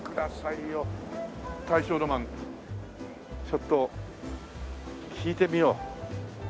ちょっと聞いてみよう。